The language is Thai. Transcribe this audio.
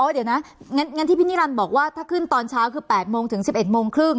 อ๋อเดี๋ยวนะงั้นงั้นที่พี่นิรันดิ์บอกว่าถ้าขึ้นตอนเช้าคือแปดโมงถึงสิบเอ็ดโมงครึ่ง